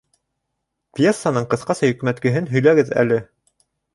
Пьесаның ҡыҫҡаса йөкмәткеһен һөйләгеҙ әле.